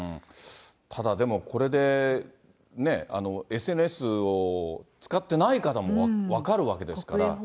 ただでも、これでね、ＳＮＳを使ってない方も分かるわけですから。